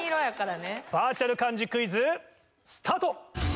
バーチャル漢字クイズスタート！